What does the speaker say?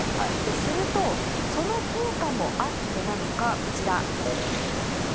すると、その効果もあってなのかこちら。